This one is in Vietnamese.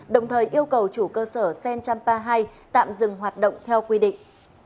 đồng thời yêu cầu chủ cơ sở sen một trăm ba mươi hai tạm dừng hoạt động theo quy định